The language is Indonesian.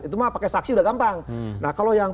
itu mah pakai saksi udah gampang nah kalau yang